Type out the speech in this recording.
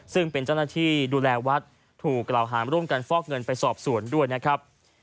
ซึ่งเป็นเจ้าหน้าที่ดูแลวัดถูกกล่าวหาร่วมกันฟอกเงินไปสอบสวนด้วยนะครับ